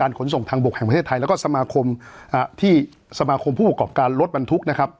ขนส่งทางบกแห่งประเทศไทยแล้วก็สมาคมที่สมาคมผู้ประกอบการรถบรรทุกนะครับ